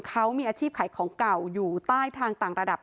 เขามีอาชีพขายของเก่าอยู่ใต้ทางต่างระดับ